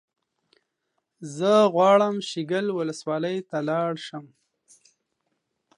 زه غواړم شیګل ولسوالۍ ته لاړ شم